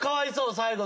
最後。